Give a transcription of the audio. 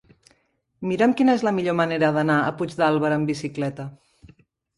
Mira'm quina és la millor manera d'anar a Puigdàlber amb bicicleta.